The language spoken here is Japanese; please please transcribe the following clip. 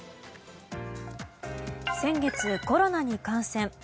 先月、コロナに感染。